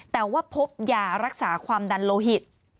แต่ว่าพบยารักษาความดันโลหิต